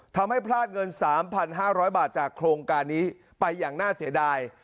พลาดเงิน๓๕๐๐บาทจากโครงการนี้ไปอย่างน่าเสียดาย